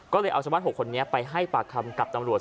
ก็เลยเอาชาวบ้าน๖คนนี้ไปให้ปากคำกับตำรวจ